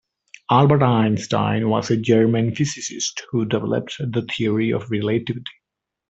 Albert Einstein was a German physicist who developed the Theory of Relativity.